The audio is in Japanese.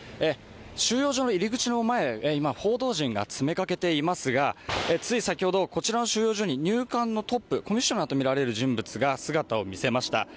収容所の入り口の前、今、報道陣が詰めかけていますが、つい先ほど、こちらの収容所に入管のトップ、コミッショナーとみられる人物が姿を見せました。